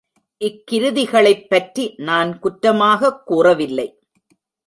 இக் கிருதிகளைப் பற்றி நான் குற்றமாகக் கூறவில்லை.